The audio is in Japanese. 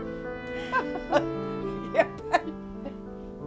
アハハハ。